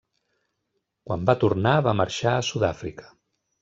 Quan va tornar va marxar a Sud-àfrica.